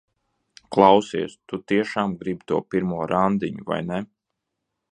Klausies, tu tiešām gribi to pirmo randiņu, vai ne?